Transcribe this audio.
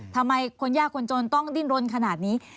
ทำไมคนยากคนจนต้องดิ้นรนขนาดนี้